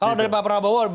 kalau dari pak prabowo